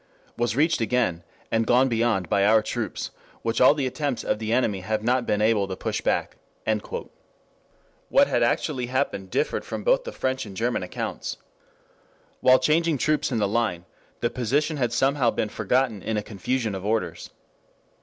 ] was reached again and gone beyond by our troops, which all the attempts of the enemy have not been able to push back."] What had actually happened differed from both the French and German accounts. While changing troops in the line, the position had somehow been forgotten in a confusion of orders.